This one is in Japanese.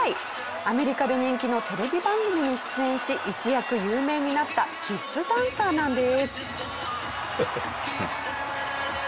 アメリカで人気のテレビ番組に出演し一躍有名になったキッズダンサーなんです。